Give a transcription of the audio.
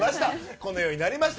このようになりました。